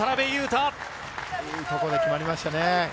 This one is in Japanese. いいとこで決まりましたね。